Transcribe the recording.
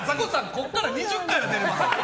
ここから２０回は出れる。